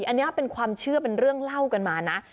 อันนี้เป็นความเชื่อเป็นเรื่องเล่ากันมานะ